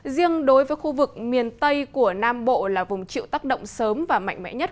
riêng đối với khu vực miền tây của nam bộ là vùng chịu tác động sớm và mạnh mẽ nhất